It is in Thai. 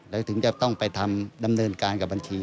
แล้วถึงจะต้องไปทำดำเนินการกับบัญชี